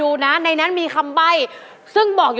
อุปกรณ์ทำสวนชนิดใดราคาถูกที่สุด